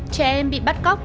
trẻ em bị bắt cóc